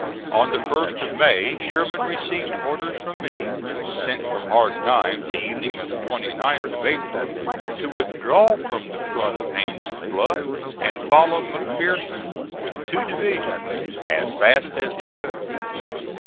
On the first of May Sherman received orders from me (sent from Hard Times the evening of the 29th of April) to withdraw from the front of Haines' Bluff and follow McPherson with two divisions as fast as he could.